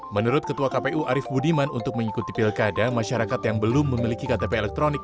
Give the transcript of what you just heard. menurut ketua kpu arief budiman untuk mengikuti pilkada masyarakat yang belum memiliki ktp elektronik